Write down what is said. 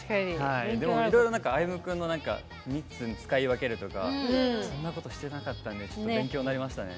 でも、いろいろ、あゆむ君の３つ使い分けるとかそんなことしてなかったんで勉強になりましたね。